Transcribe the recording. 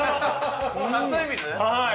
はい。